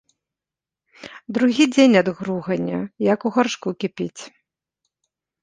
Другі дзень ад гругання як у гаршку кіпіць.